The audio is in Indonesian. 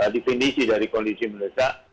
definisi dari kondisi melesak